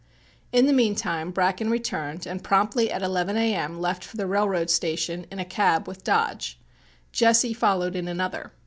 In the meantime Bracken returned and promptly at 11 a.m. left for the railroad station in a cab with Dodge. Jesse followed in another.